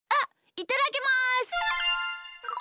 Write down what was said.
いただきます！